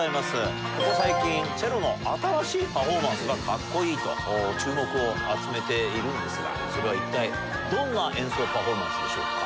ここ最近チェロの新しいパフォーマンスがカッコいいと注目を集めているんですがそれは一体どんな演奏パフォーマンスでしょうか？